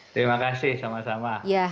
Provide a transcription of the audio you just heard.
terima kasih sama sama